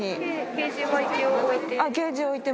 ケージも置いて？